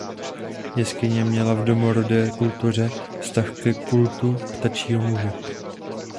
Jeskyně měla v domorodé kultuře vztah ke kultu Ptačího muže.